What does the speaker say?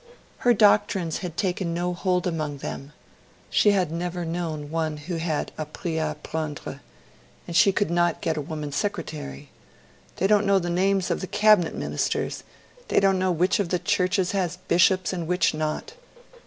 Her doctrines had taken no hold among them; she had never known one who had appris a apprendre; she could not even get a woman secretary; 'they don't know the names of the Cabinet Ministers they don't know which of the Churches has Bishops and which not'.